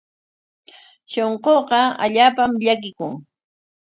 Shunquuqa allaapam llakikun.